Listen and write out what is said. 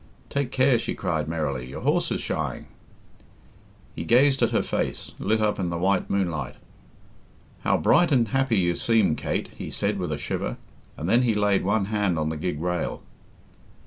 "Take care," she cried merrily; "your horse is shying." He gazed at her face, lit up in the white moonlight. "How bright and happy you seem, Kate!" he said with a shiver; and then he laid one hand on the gig rail.